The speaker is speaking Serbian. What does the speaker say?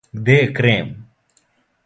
Где је крем?